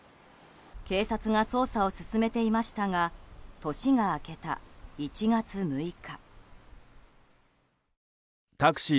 警察が捜査を進めていましたが年が明けた１月６日。